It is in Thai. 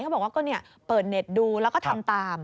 เขาบอกว่าก็เปิดเน็ตดูแล้วก็ทำตาม